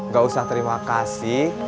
gak usah terima kasih